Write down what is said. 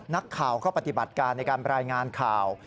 นักข่าวก็ปฏิบัติการในการรายงานข่าว